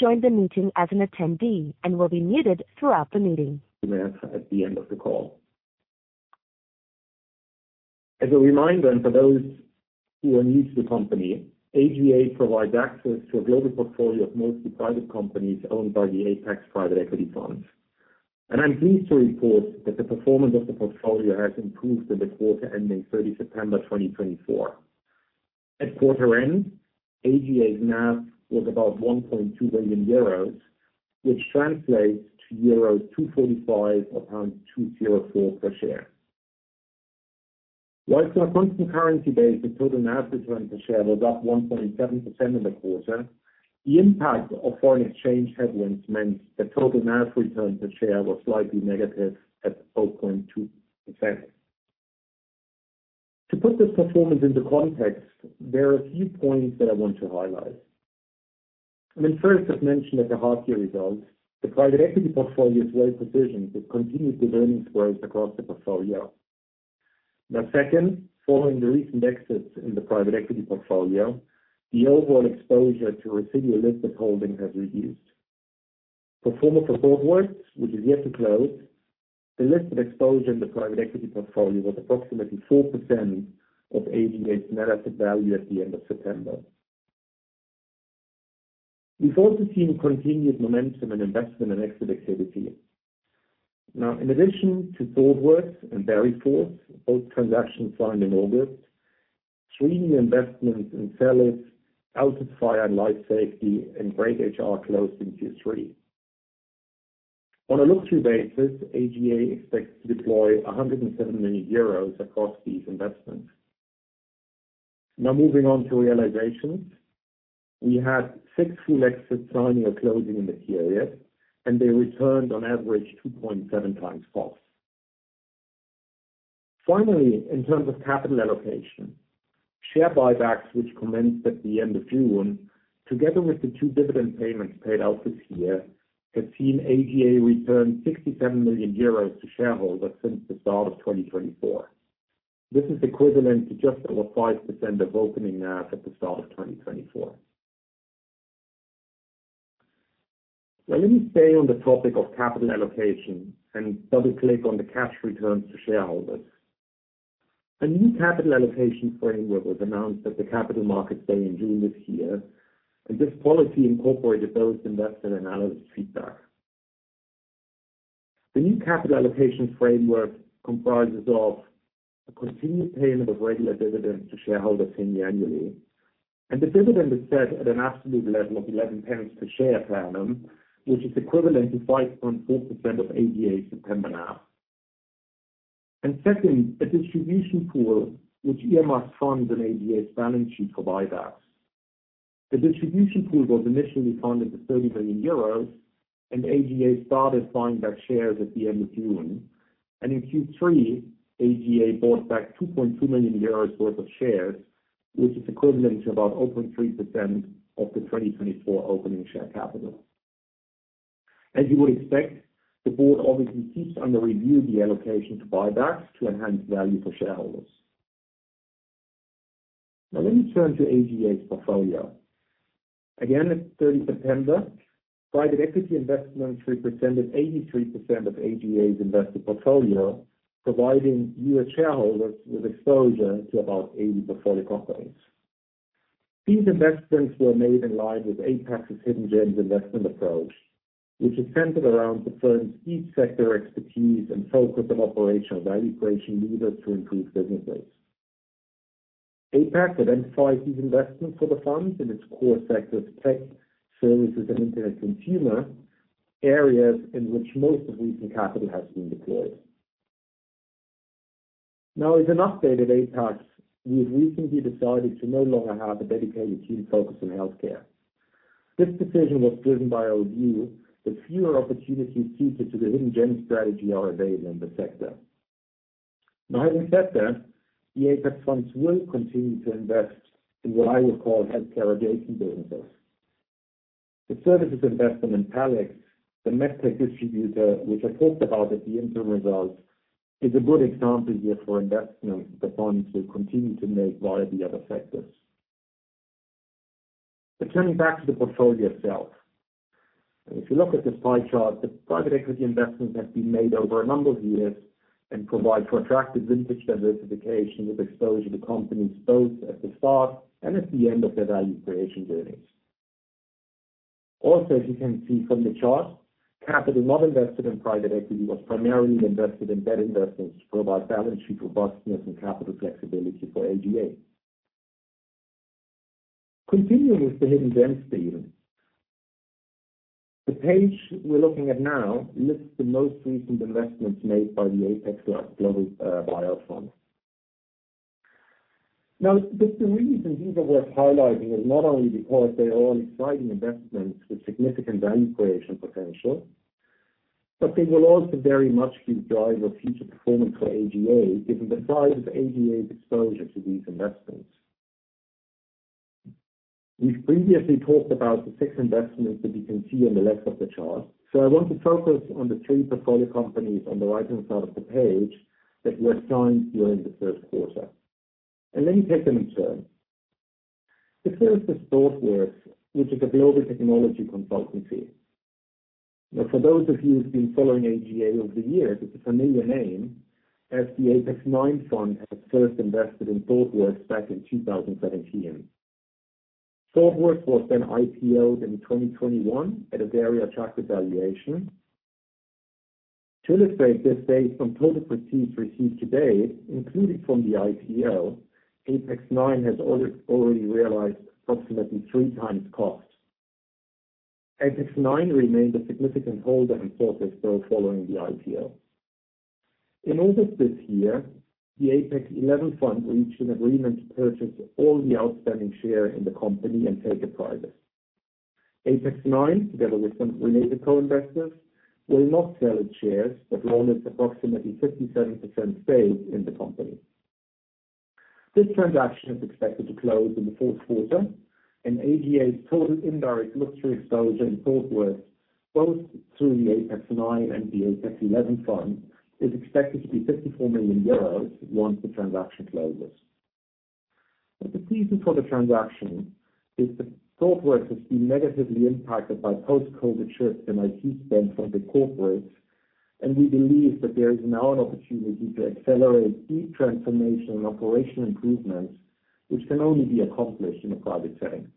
You have joined the meeting as an attendee and will be muted throughout the meeting. With us at the end of the call. As a reminder, and for those who are new to the company, AGA provides access to a global portfolio of mostly private companies owned by the Apax Private Equity Fund. And I'm pleased to report that the performance of the portfolio has improved in the quarter ending 30 September 2024. At quarter end, AGA's NAV was about 1.2 billion euros, which translates to euro 2.45 or EUR 2.04 per share. While it's not a constant currency base, the total NAV return per share was up 1.7% in the quarter. The impact of foreign exchange headwinds meant the total NAV return per share was slightly negative at 0.2%. To put this performance into context, there are a few points that I want to highlight. I mean, first, I've mentioned that the half-year results, the private equity portfolio is well positioned with continued good earnings growth across the portfolio. Now, second, following the recent exits in the private equity portfolio, the overall exposure to residual listed holdings has reduced. [Excluding Idealista], which is yet to close, the listed exposure in the private equity portfolio was approximately 4% of AGA's net asset value at the end of September. We've also seen continued momentum in investment and exit activity. Now, in addition to Thoughtworks and Veriforce, both transactions signed in August, three new investments in Zellis, Altus Fire & Life Safety, and GreytHR closed in Q3. On a look-through basis, AGA expects to deploy 107 million euros across these investments. Now, moving on to realizations, we had six full exits signing or closing in the period, and they returned on average 2.7 times cost. Finally, in terms of capital allocation, share buybacks, which commenced at the end of June, together with the two dividend payments paid out this year, have seen AGA return 67 million euros to shareholders since the start of 2024. This is equivalent to just over 5% of opening NAV at the start of 2024. Now, let me stay on the topic of capital allocation and double-click on the cash returns to shareholders. A new capital allocation framework was announced at the capital markets day in June this year, and this policy incorporated both investor and analyst feedback. The new capital allocation framework comprises of a continued payment of regular dividends to shareholders semi-annually, and the dividend is set at an absolute level of 11 pounds pence per share per annum, which is equivalent to 5.4% of AGA's September NAV. Second, a distribution pool which earmarks funds in AGA's balance sheet for buybacks. The distribution pool was initially funded with 30 million euros, and AGA started buying back shares at the end of June. In Q3, AGA bought back 2.2 million euros worth of shares, which is equivalent to about 0.3% of the 2024 opening share capital. As you would expect, the board obviously keeps under review the allocation to buybacks to enhance value for shareholders. Now, let me turn to AGA's portfolio. Again, at 30 September, private equity investments represented 83% of AGA's investor portfolio, providing U.S. shareholders with exposure to about 80 portfolio companies. These investments were made in line with Apax's Hidden Gems investment approach, which is centered around the firm's each sector expertise and focus on operational value creation needed to improve businesses. Apax identifies these investments for the funds in its core sectors, tech, services, and internet consumer, areas in which most of recent capital has been deployed. Now, as an update of Apax, we have recently decided to no longer have a dedicated team focused on healthcare. This decision was driven by our view that fewer opportunities suited to the hidden gem strategy are available in the sector. Now, having said that, the Apax funds will continue to invest in what I would call healthcare-adjacent businesses. The services investment in Palex, the MedTech distributor, which I talked about at the interim results, is a good example here for investments the funds will continue to make via the other sectors. But turning back to the portfolio itself, if you look at this pie chart, the private equity investments have been made over a number of years and provide for attractive vintage diversification with exposure to companies both at the start and at the end of their value creation journeys. Also, as you can see from the chart, capital not invested in private equity was primarily invested in debt investments to provide balance sheet robustness and capital flexibility for AGA. Continuing with the Hidden Gems page, the page we're looking at now lists the most recent investments made by the Apax Global Alpha Fund. Now, the reason these are worth highlighting is not only because they are all exciting investments with significant value creation potential, but they will also very much be the driver of future performance for AGA, given the size of AGA's exposure to these investments. We've previously talked about the six investments that you can see on the left of the chart, so I want to focus on the three portfolio companies on the right-hand side of the page that were signed during the third quarter. And let me take them in turn. The first is Thoughtworks, which is a global technology consultancy. Now, for those of you who've been following AGA over the years, it's a familiar name, as the Apax IX fund has first invested in Thoughtworks back in 2017. Thoughtworks was then IPO'd in 2021 at a very attractive valuation. To illustrate this, based on total receipts received to date, including from the IPO, Apax IX has already realized approximately three times cost. Apax IX remained a significant holder and supporter, still following the IPO. In August this year, the Apax XI fund reached an agreement to purchase all the outstanding shares in the company and take it private. Apax IX, together with some related co-investors, will not sell its shares but will own its approximately 57% stake in the company. This transaction is expected to close in the fourth quarter, and AGA's total indirect luxury exposure in Thoughtworks, both through the Apax IX and the Apax XI fund, is expected to be €54 million once the transaction closes. Now, the reason for the transaction is that Thoughtworks has been negatively impacted by post-COVID shifts in IT spend from big corporates, and we believe that there is now an opportunity to accelerate deep transformation and operational improvement, which can only be accomplished in a private setting.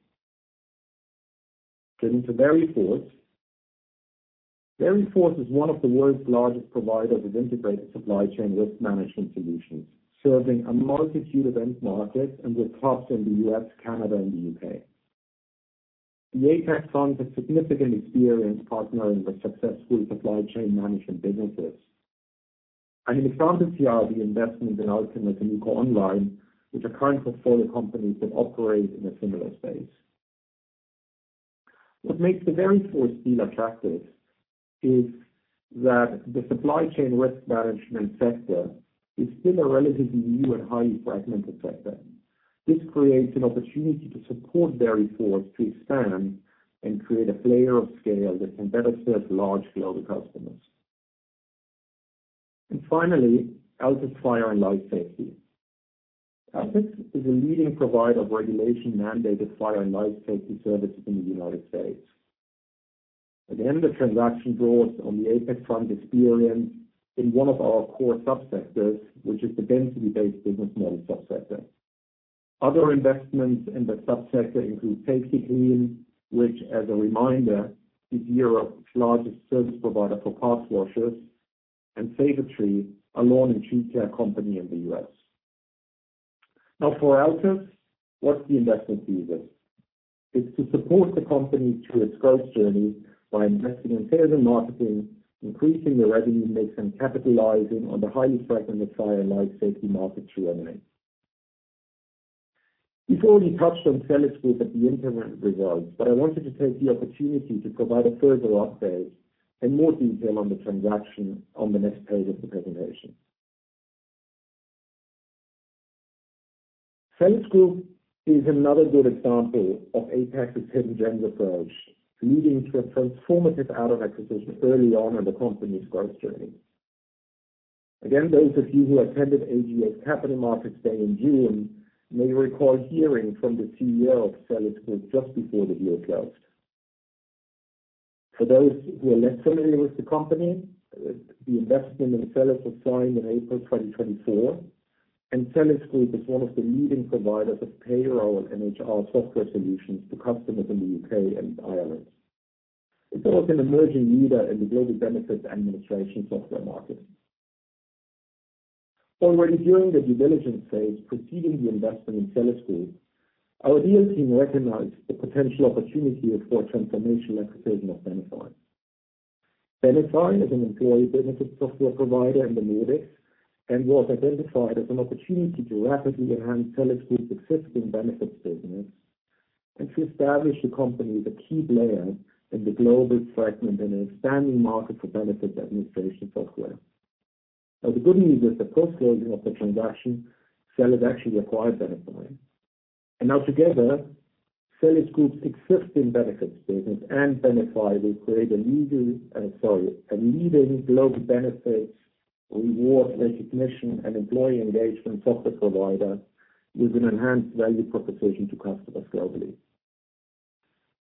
Turning to Veriforce, Veriforce is one of the world's largest providers of integrated supply chain risk management solutions, serving a multitude of end markets and with hubs in the U.S., Canada, and the U.K. The Apax fund has significant experience partnering with successful supply chain management businesses. I have examples here of the investments in Alcumus and EcoOnline, which are current portfolio companies that operate in a similar space. What makes the Veriforce still attractive is that the supply chain risk management sector is still a relatively new and highly fragmented sector. This creates an opportunity to support Veriforce to expand and create a scale that can better serve large global customers. Finally, Altus Fire & Life Safety. Altus is a leading provider of regulation-mandated fire and life safety services in the United States. Again, the transaction draws on the Apax fund experience in one of our core subsectors, which is the density-based business model subsector. Other investments in the subsector include Safetykleen, which, as a reminder, is Europe's largest service provider for parts washers, and SavATree, a lawn and tree care company in the US. Now, for Altus, what's the investment thesis? It's to support the company through its growth journey by investing in sales and marketing, increasing the revenue mix, and capitalizing on the highly fragmented fire and life safety markets you remain. We've already touched on Zellis Group at the interim results, but I wanted to take the opportunity to provide a further update and more detail on the transaction on the next page of the presentation. Zellis Group is another good example of Apax's Hidden Gems approach, leading to a transformative add-on acquisition early on in the company's growth journey. Again, those of you who attended AGA's capital markets day in June may recall hearing from the CEO of Zellis Group just before the deal closed. For those who are less familiar with the company, the investment in Zellis was signed in April 2024, and Zellis Group is one of the leading providers of payroll and HR software solutions to customers in the U.K. and Ireland. It's also an emerging leader in the global benefits administration software market. Already during the due diligence phase preceding the investment in Zellis Group, our deal team recognized the potential opportunity for transformational acquisition of Benify .Benify is an employee benefits software provider in the Nordics and was identified as an opportunity to rapidly enhance Zellis Group's existing benefits business and to establish the company as a key player in the global fragmented and expanding market for benefits administration software. Now, the good news is that post-closing of the transaction, Zellis actually acquired Benify. And now, together, Zellis Group's existing benefits business and Benify will create a leading global benefits reward recognition and employee engagement software provider with an enhanced value proposition to customers globally.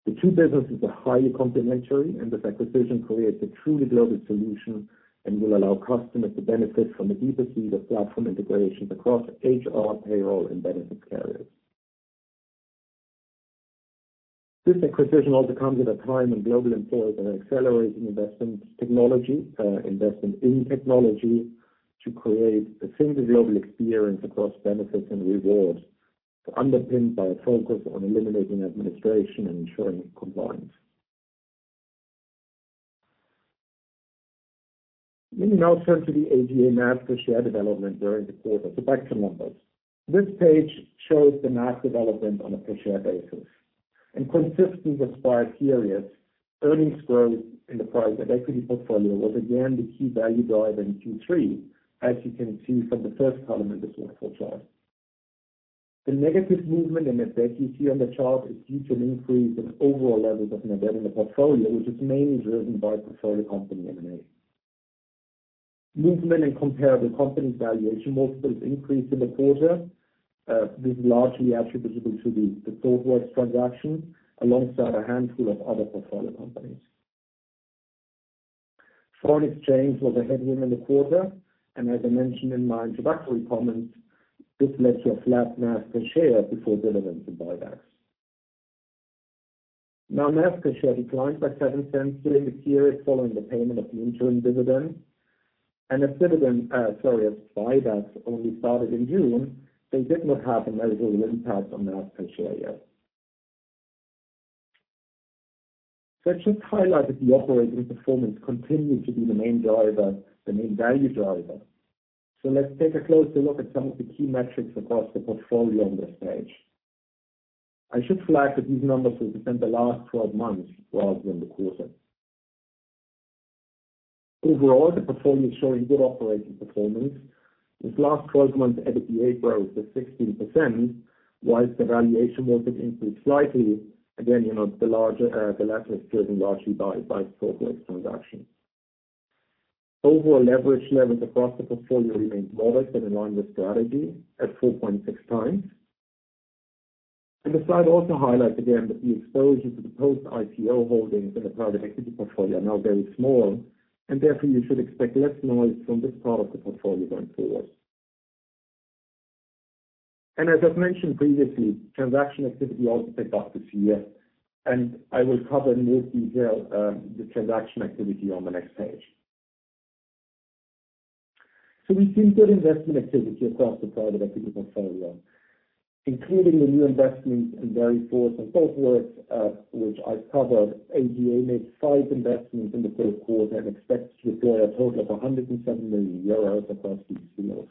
The two businesses are highly complementary, and this acquisition creates a truly global solution and will allow customers to benefit from a deeper seed of platform integrations across HR, payroll, and benefits carriers. This acquisition also comes at a time when global employers are accelerating investment technology, investment in technology, to create a single global experience across benefits and rewards, underpinned by a focus on eliminating administration and ensuring compliance. Let me now turn to the AGA NAV per share development during the quarter. So back to numbers. This page shows the NAV development on a per share basis. Consistently for five periods, earnings growth in the private equity portfolio was again the key value driver in Q3, as you can see from the first column in this waterfall chart. The negative movement in the debt you see on the chart is due to an increase in overall levels of net debt in the portfolio, which is mainly driven by portfolio company M&A. Movement in comparable companies' valuation multiple has increased in the quarter. This is largely attributable to the Fort Worth transaction alongside a handful of other portfolio companies. Foreign exchange was a headwind in the quarter, and as I mentioned in my introductory comments, this led to a flat NAV per share before dividends and buybacks. Now, NAV per share declined by 7 pence during the period following the payment of the interim dividend, and as dividend, sorry, as buybacks only started in June, they did not have a measurable impact on NAV per share yet. So I just highlighted the operating performance continued to be the main driver, the main value driver. So let's take a closer look at some of the key metrics across the portfolio on this page. I should flag that these numbers represent the last 12 months rather than the quarter. Overall, the portfolio is showing good operating performance. This last 12 months' EBITDA growth is 16%, while the valuation multiple increased slightly. Again, the latter is driven largely by Thoughtworks transactions. Overall, leverage levels across the portfolio remained modest and in line with strategy at 4.6 times. The slide also highlights again that the exposure to the post-IPO holdings in the private equity portfolio are now very small, and therefore you should expect less noise from this part of the portfolio going forward. As I've mentioned previously, transaction activity also picked up this year, and I will cover in more detail the transaction activity on the next page. We've seen good investment activity across the private equity portfolio, including the new investments in Veriforce and Fort Worth, which I've covered. AGA made five investments in the third quarter and expects to deploy a total of € 107 million across these deals.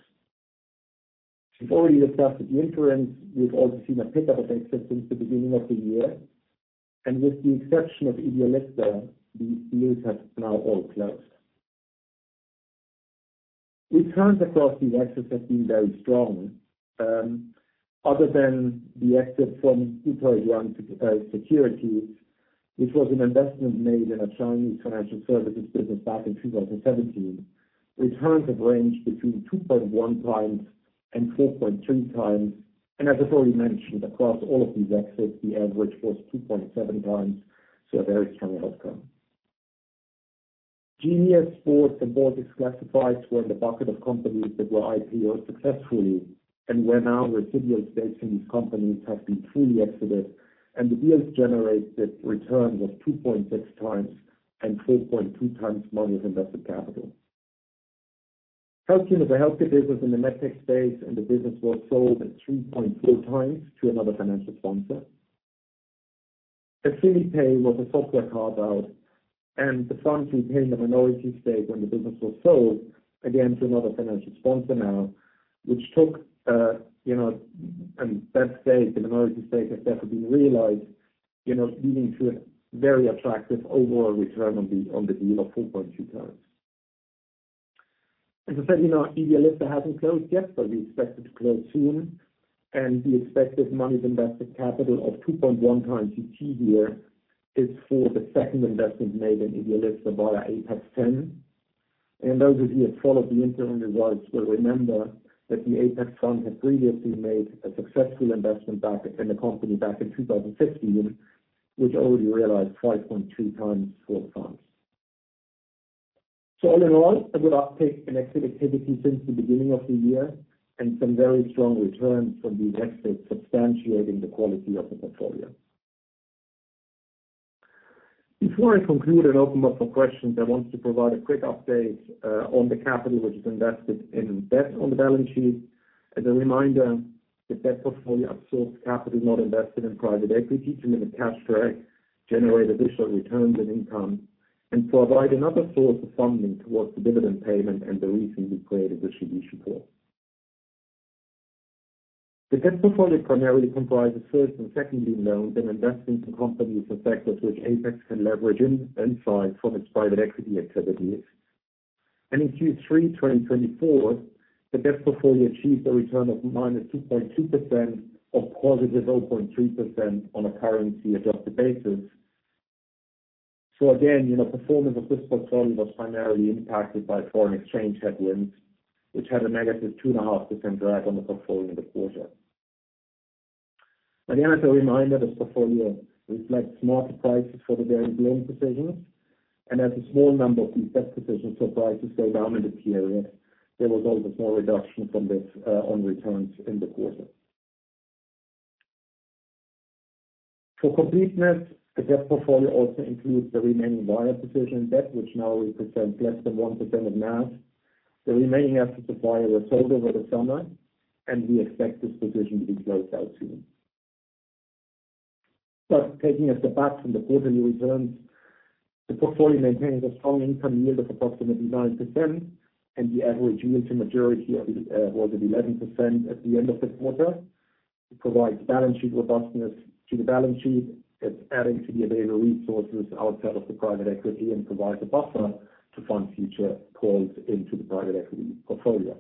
We've already discussed at the interim. We've also seen a pickup of exits since the beginning of the year, and with the exception of idealista, these deals have now all closed. Returns across these exits have been very strong. Other than the exit from Guotai Junan Securities, which was an investment made in a Chinese financial services business back in 2017, returns have ranged between 2.1 times and 4.3 times. As I've already mentioned, across all of these exits, the average was 2.7 times, so a very strong outcome. Genius Sports, Thoughtworks, and Baltic Classifieds Group were in the bucket of companies that were IPO'd successfully, and where now residual stakes in these companies have been fully exited, and the deals generated returns of 2.6 times and 4.2 times money of invested capital. Healthium was a healthcare business in the MedTech space, and the business was sold at 3.4 times to another financial sponsor. AffiniPay was a software carve-out, and the funds repaying the minority stake when the business was sold, again to another financial sponsor now, which took a bad stake. The minority stake has therefore been realized, leading to a very attractive overall return on the deal of 4.2 times. As I said, idealista hasn't closed yet, but we expect it to close soon, and the expected money of invested capital of 2.1 times you see here is for the second investment made in idealista via Apax X, and those of you who have followed the interim results will remember that the Apax fund had previously made a successful investment back in the company back in 2015, which already realized 5.2 times for the funds, so all in all, a good uptick in exit activity since the beginning of the year and some very strong returns from these exits, substantiating the quality of the portfolio. Before I conclude and open up for questions, I want to provide a quick update on the capital which is invested in debt on the balance sheet. As a reminder, the debt portfolio absorbs capital not invested in private equity to limit cash drag, generate additional returns and income, and provide another source of funding towards the dividend payment and the recently created distribution pool. The debt portfolio primarily comprises first- and second-lien loans and investments in companies and sectors which Apax can leverage insights from its private equity activities. And in Q3 2024, the debt portfolio achieved a return of -2.2% or +0.3% on a currency-adjusted basis. So again, performance of this portfolio was primarily impacted by foreign exchange headwinds, which had a -2.5% drag on the portfolio in the quarter. Again, as a reminder, this portfolio reflects smaller prices for the various loan positions, and as a small number of these debt positions saw prices go down in the period, there was also a small reduction from this on returns in the quarter. For completeness, the debt portfolio also includes the remaining Vyaire position debt, which now represents less than 1% of NAV. The remaining assets of Vyaire were sold over the summer, and we expect this position to be closed out soon. But taking a step back from the quarterly returns, the portfolio maintains a strong income yield of approximately 9%, and the average yield to maturity was at 11% at the end of the quarter. It provides balance sheet robustness to the balance sheet. It's adding to the available resources outside of the private equity and provides a buffer to fund future calls into the private equity portfolio.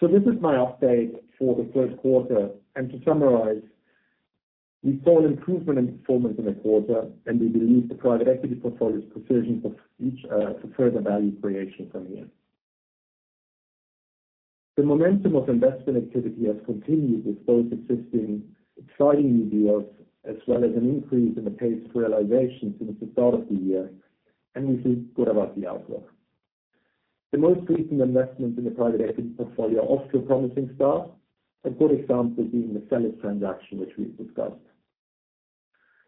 This is my update for the third quarter. To summarize, we saw an improvement in performance in the quarter, and we believe the private equity portfolio's position for further value creation from here. The momentum of investment activity has continued with both existing exciting new deals as well as an increase in the pace of realization since the start of the year, and we feel good about the outlook. The most recent investments in the private equity portfolio are off to a promising start, a good example being the Zellis transaction which we've discussed.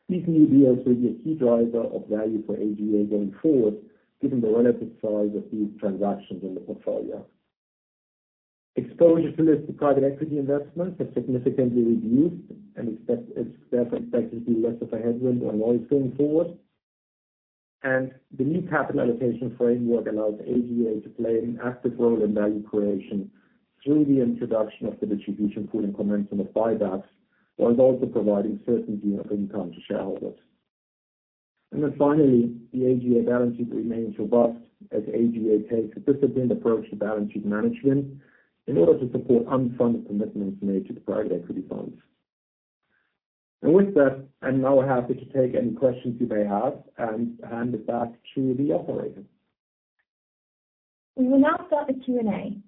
These new deals will be a key driver of value for AGA going forward, given the relative size of these transactions in the portfolio. Exposure to private equity investments has significantly reduced, and it's therefore expected to be less of a headwind or noise going forward. The new capital allocation framework allows AGA to play an active role in value creation through the introduction of the distribution pool and commencement of buybacks, while also providing certainty of income to shareholders. Finally, the AGA balance sheet remains robust as AGA takes a disciplined approach to balance sheet management in order to support unfunded commitments made to the private equity funds. With that, I'm now happy to take any questions you may have and hand it back to the operator. We will now start the Q&A.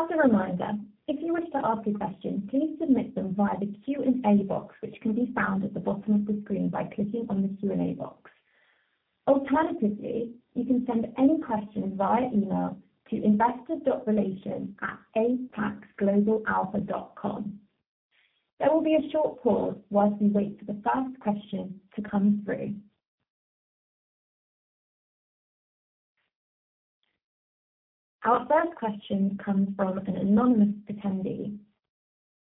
As a reminder, if you wish to ask a question, please submit them via the Q&A box, which can be found at the bottom of the screen by clicking on the Q&A box. Alternatively, you can send any question via email to investor.relations@apaxglobalalpha.com. There will be a short pause while we wait for the first question to come through. Our first question comes from an anonymous attendee.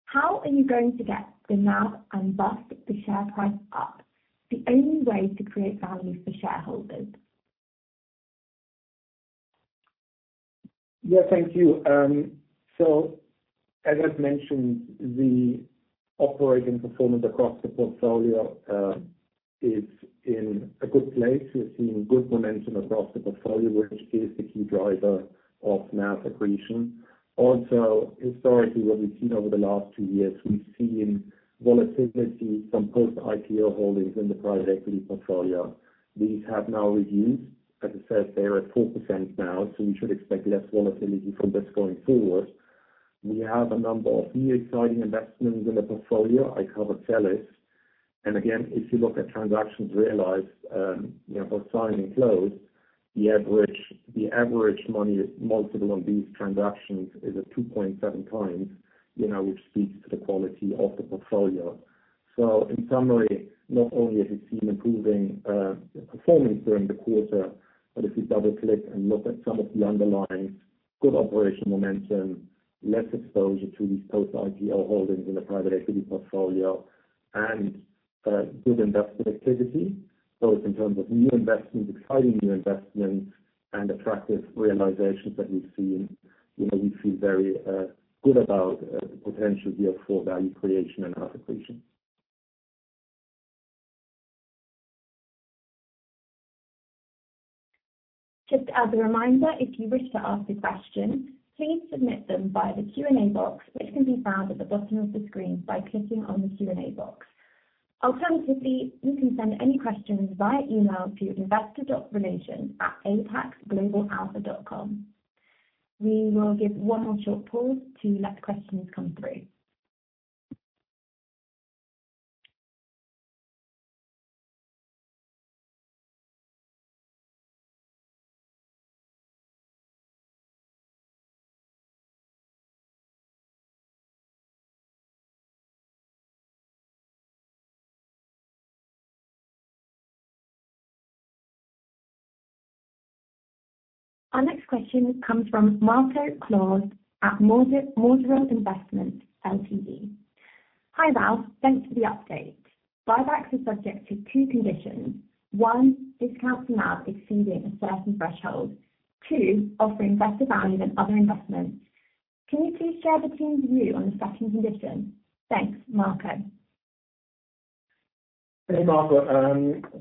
How are you going to get the NAV and USD share price up? The only way to create value for shareholders. Yeah, thank you. So as I've mentioned, the operating performance across the portfolio is in a good place. We're seeing good momentum across the portfolio, which is the key driver of NAV accretion. Also, historically, what we've seen over the last two years, we've seen volatility from post-IPO holdings in the private equity portfolio. These have now reduced. As I said, they're at 4% now, so we should expect less volatility from this going forward. We have a number of new exciting investments in the portfolio. I covered Zellis. And again, if you look at transactions realized for signed and closed, the average money multiple on these transactions is at 2.7 times, which speaks to the quality of the portfolio. So in summary, not only have we seen improving performance during the quarter, but if you double-click and look at some of the underlyings, good operational momentum, less exposure to these post-IPO holdings in the private equity portfolio, and good investment activity, both in terms of new investments, exciting new investments, and attractive realizations that we've seen, we feel very good about the potential here for value creation and NAV accretion. Just as a reminder, if you wish to ask a question, please submit them via the Q&A box, which can be found at the bottom of the screen by clicking on the Q&A box. Alternatively, you can send any questions via email to investor.relations@apaxglobalalpha.com. We will give one more short pause to let questions come through. Our next question comes from Marco Claus at Bordier & Cie. Hi, Ralf. Thanks for the update. Buybacks are subject to two conditions. One, discounts to NAV exceeding a certain threshold. Two, offering better value than other investments. Can you please share the team's view on the second condition? Thanks, Marco. Hey, Marco.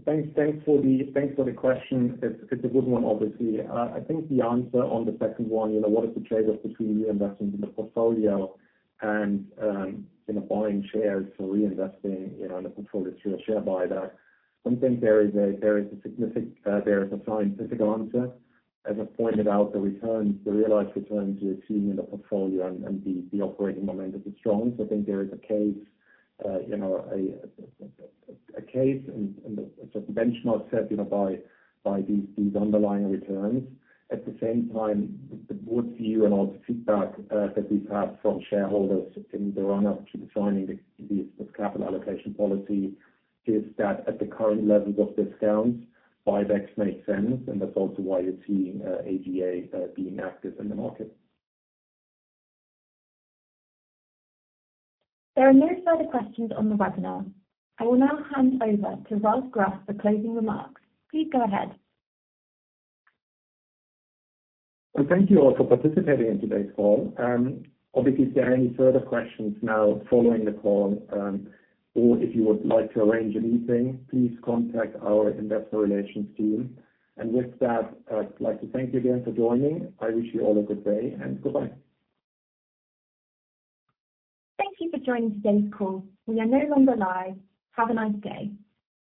Thanks for the question. It's a good one, obviously. I think the answer on the second one, what is the trade-off between reinvestment in the portfolio and buying shares for reinvesting in a portfolio through a share buyback? I think there is a significant scientific answer. As I've pointed out, the realized returns you're seeing in the portfolio and the operating momentum is strong. So I think there is a case and a sort of benchmark set by these underlying returns. At the same time, the good view and also feedback that we've had from shareholders in the run-up to designing this capital allocation policy is that at the current levels of discounts, buybacks make sense, and that's also why you're seeing AGA being active in the market. There are no further questions on the webinar. I will now hand over to Ralf Gruss for closing remarks. Please go ahead. Well, thank you all for participating in today's call. Obviously, if there are any further questions now following the call, or if you would like to arrange a meeting, please contact our investor relations team. And with that, I'd like to thank you again for joining. I wish you all a good day, and goodbye. Thank you for joining today's call. We are no longer live. Have a nice day.